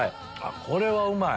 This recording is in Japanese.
これはうまい！